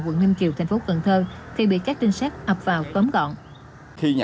quận ninh kiều thành phố cần thơ thì bị các trinh sát ập vào cấm gọn